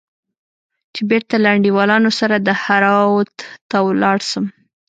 چې بېرته له انډيوالانو سره دهراوت ته ولاړ سم.